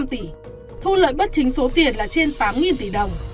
thu lợi bất chính số tiền là trên tám tỷ đồng